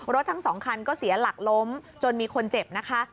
ทั้งสองคันก็เสียหลักล้มจนมีคนเจ็บนะคะ